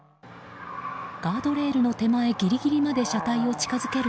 ガードレールの手前ギリギリまで車体を近づける